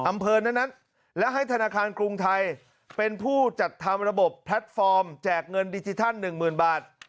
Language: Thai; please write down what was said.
อำเภอนั้นและให้ธนาคารกรุงไทยเป็นผู้จัดทำระบบแพลตฟอร์มแจกเงินดิจิทัล๑๐๐๐บาท